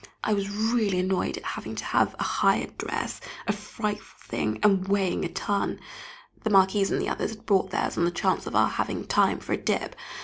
I was really annoyed at having to have a hired dress, a frightful thing, and weighing a ton. The Marquise and the others had brought theirs on the chance of our having time for a dip.